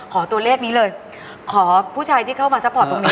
ตัวเลขนี้เลยขอผู้ชายที่เข้ามาซัพพอร์ตตรงนี้